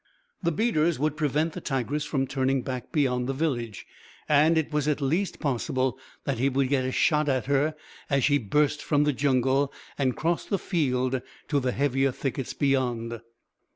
The beaters would prevent the tigress from turning back beyond the village, and it was at least possible that he would get a shot at her as she burst from the jungle and crossed the field to the heavier thickets beyond.